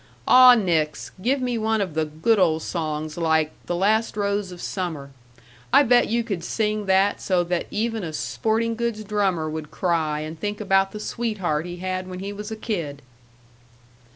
Aw nix, give me one of the good old songs like 'The Last Rose of Summer.'... I bet you could sing that so that even a sporting goods drummer would cry and think about the sweetheart he had when he was a kid."